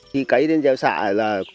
khi cấy đến giao xạ